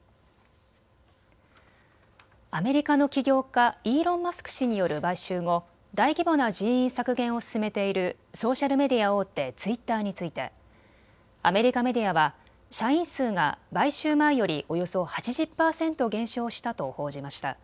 アメリカの起業家、イーロン・マスク氏による買収後、大規模な人員削減を進めているソーシャルメディア大手、ツイッターについてアメリカメディアは社員数が買収前よりおよそ８０％減少したと報じました。